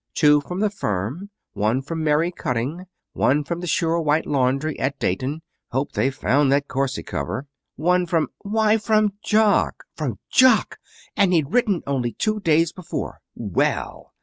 Two from the firm one from Mary Cutting one from the Sure White Laundry at Dayton (hope they found that corset cover) one from why, from Jock! From Jock! And he'd written only two days before. Well!